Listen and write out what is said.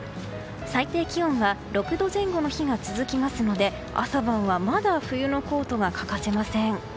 最低気温は６度前後の日が続きますので朝晩はまだ冬のコートが欠かせません。